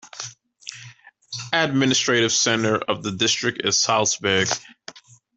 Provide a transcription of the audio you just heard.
Administrative center of the district is Salzburg.